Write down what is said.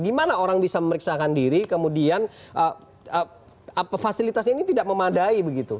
gimana orang bisa memeriksakan diri kemudian fasilitas ini tidak memadai begitu